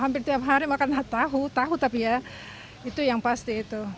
hampir tiap hari makan tahu tahu tapi ya itu yang pasti itu